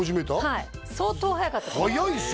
はい相当速かった速いですよ